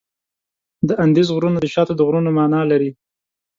د اندیز غرونه د شاتو د غرونو معنا لري.